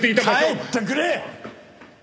帰ってくれ！